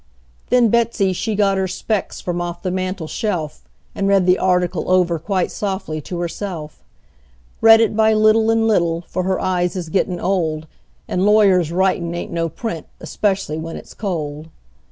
Then Betsey she got her specs from off the mantel shelf, And read the article over quite softly to herself; Read it by little and little, for her eyes is gettin' old, And lawyers' writin' ain't no print, especially when it's cold.